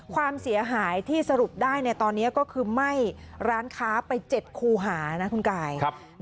ความเสียหายที่สรุปได้ตอนนี้ก็คือไหม้ร้านค้าไป๗คูหานะคุณกาย